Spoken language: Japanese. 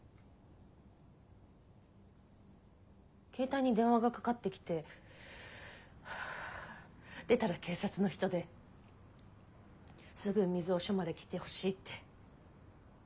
携帯に電話がかかってきて出たら警察の人ですぐ水尾署まで来てほしいって。